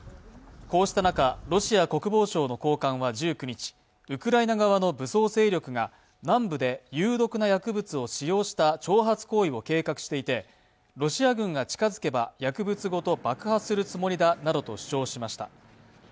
こうした中、ロシア国防省の高官は１９日、ウクライナ側の武装勢力が南部で有毒な薬物を使用した挑発行為を計画していて、ロシア軍が近づけば薬物ごと爆破するつもりだと主張しました。